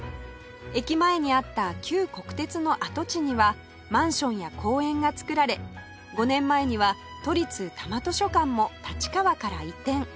駅前にあった旧国鉄の跡地にはマンションや公園が造られ５年前には都立多摩図書館も立川から移転